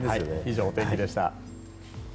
以上、お天気でした。